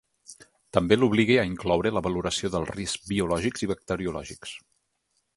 També l’obliga a incloure la valoració dels riscs biològics i bacteriològics.